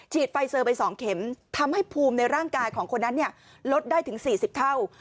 ไฟเซอร์ไป๒เข็มทำให้ภูมิในร่างกายของคนนั้นลดได้ถึง๔๐เท่า